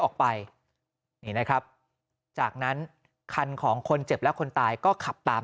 ออกไปนี่นะครับจากนั้นคันของคนเจ็บและคนตายก็ขับตาม